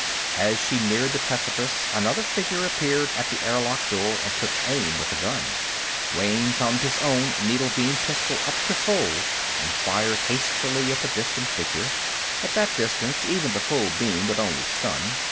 As she neared the precipice, another figure appeared at the airlock door and took aim with a gun. Wayne thumbed his own needle beam pistol up to full and fired hastily at the distant figure. At that distance, even the full beam would only stun.